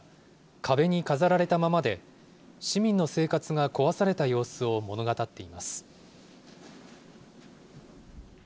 壁に飾られたままで、市民の生活が壊された様子を物語っています。